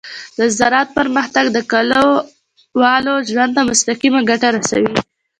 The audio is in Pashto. د زراعت پرمختګ د کليوالو ژوند ته مستقیمه ګټه رسوي.